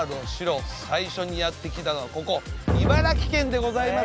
最初にやって来たのはここ茨城県でございます。